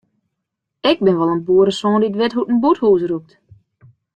Ik bin wol in boeresoan dy't wit hoe't in bûthús rûkt.